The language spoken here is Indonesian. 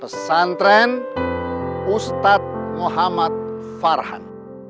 pesantren ustadz muhammad farhan